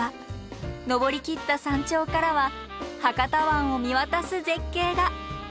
登りきった山頂からは博多湾を見渡す絶景が。